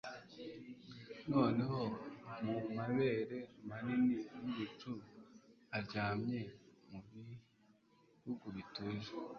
noneho mumabere manini yibicu aryamye mubihugu bituje